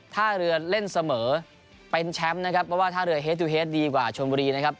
ท่าเรือเล่นเสมอเป็นแชมป์นะครับเพราะว่าท่าเรือเฮสตูเฮดดีกว่าชนบุรีนะครับ